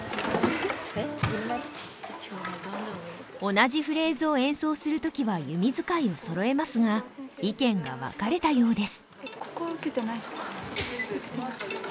同じフレーズを演奏する時は弓使いをそろえますが意見が分かれたようです。